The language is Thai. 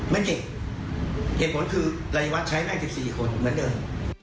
ไม่เก่งเหตุผลคือไรวัชใช้๑๔คนเหมือนเดิม